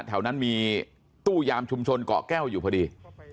แถวนั้นมีตู้ยามชุมชนเกาะแก้วอยู่พอดี